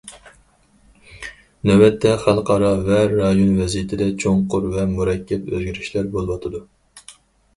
نۆۋەتتە، خەلقئارا ۋە رايون ۋەزىيىتىدە چوڭقۇر ۋە مۇرەككەپ ئۆزگىرىشلەر بولۇۋاتىدۇ.